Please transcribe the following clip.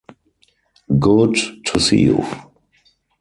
Good to see you.